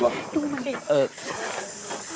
มาตรงนี้